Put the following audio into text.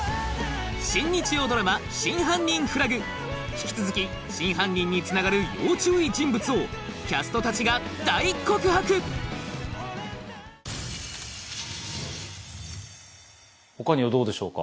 引き続き真犯人につながる要注意人物をキャストたちが大告白他にはどうでしょうか？